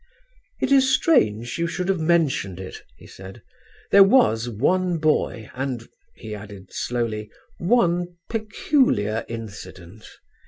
"It is strange you should have mentioned it," he said. "There was one boy, and," he added slowly, "one peculiar incident.